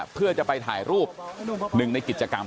เพื่อจะไปถ่ายรูปหนึ่งในกิจกรรม